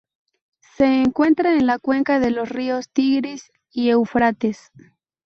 Se encuentra en la cuenca de los ríos Tigris y Éufrates.